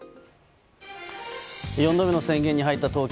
４度目の宣言に入った東京。